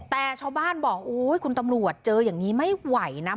แต่ชาวบ้านบอกโอ๊ยคุณตำรวจเจออย่างนี้ไม่ไหวนะ